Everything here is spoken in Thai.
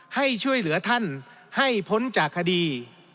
ให้ช่วยเหลือท่านให้พ้นจากคดี